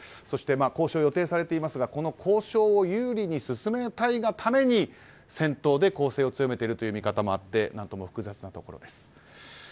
そして交渉が予定されていますが交渉を有利に進めたいがために戦闘で攻勢を強めているという見方もあって何とも複雑なところです。